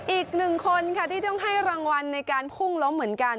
อีกหนึ่งคนค่ะที่ต้องให้รางวัลในการพุ่งล้มเหมือนกัน